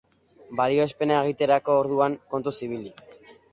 Balioespena egiterako orduan, kontuz ibili.